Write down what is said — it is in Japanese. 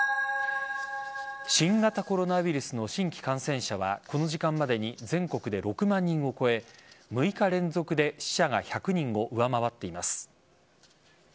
新型コロナウイルスの新規感染者はこの時間までに全国で６万人を超え６日連続で死者が１００人を上回っています。